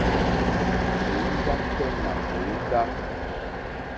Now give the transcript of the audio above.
Mòóndá tɛ́ nà mòóndá.